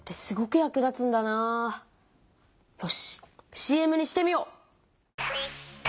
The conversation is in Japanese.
ＣＭにしてみよう！